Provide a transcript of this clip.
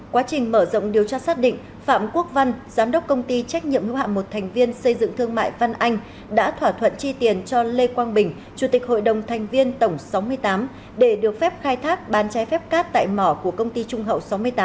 quá trình mở rộng điều tra xác định phạm quốc văn giám đốc công ty trách nhiệm hữu hạm một thành viên xây dựng thương mại văn anh đã thỏa thuận chi tiền cho lê quang bình chủ tịch hội đồng thành viên tổng sáu mươi tám để được phép khai thác bàn trái phép cát tại mỏ của công ty trung hậu sáu mươi tám